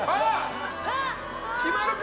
決まるか？